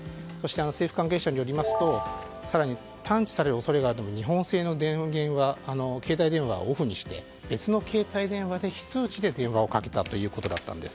政府関係者によりますと更に、探知される恐れがあるため日本製の携帯電話はオフにして別の携帯電話で非通知で電話をかけたということだったんです。